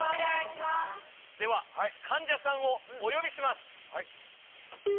ではかんじゃさんをおよびします。